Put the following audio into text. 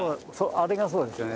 あれがそうですよね。